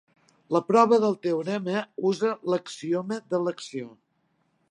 La prova del teorema usa l'axioma d'elecció.